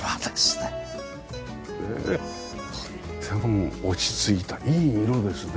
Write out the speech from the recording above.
ねえとっても落ち着いたいい色ですね。